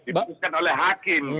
diputuskan oleh hakim